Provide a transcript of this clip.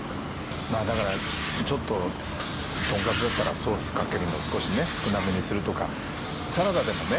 まあだからちょっと豚カツだったらソースかけるの少し少なめにするとかサラダでもね